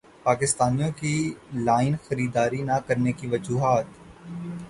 پاکستانیوں کی لائن خریداری نہ کرنے کی وجوہات